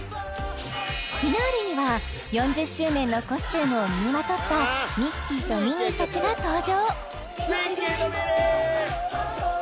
フィナーレには４０周年のコスチュームを身にまとったミッキーとミニーたちが登場ミッキーとミニー！